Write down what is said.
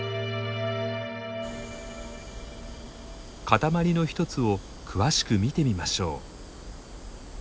塊の一つを詳しく見てみましょう。